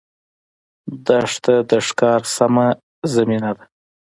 دښته د ښکار سمه زمینه ده.